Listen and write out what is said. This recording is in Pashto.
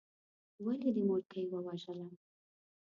ولې دې مورکۍ ووژله.